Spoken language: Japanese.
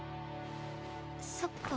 そっか。